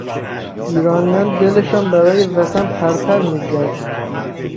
ایرانیان دلشان برای وطن پرپر میزد.